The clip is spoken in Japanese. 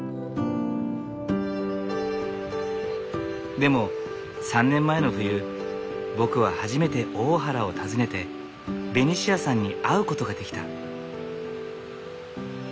でも３年前の冬僕は初めて大原を訪ねてベニシアさんに会うことができた。